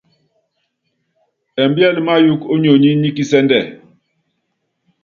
Ɛmbíɛ́lɛ́ máyɔɔ́k ó nionyi ní kisɛ́ndɛ.